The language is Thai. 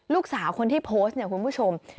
ลูกสาวคนที่โพสต์เนี่ยคุณผู้ชม